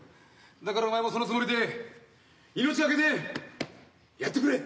だからお前もそのつもりで命懸けでやってくれ。